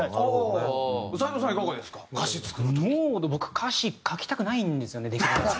僕歌詞書きたくないんですよねできるなら。